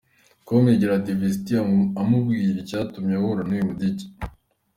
com yegera Davis D amubwira icyatumye ahura n’uyu mu Dj.